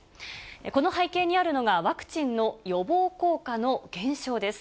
この背景にあるのが、ワクチンの予防効果の減少です。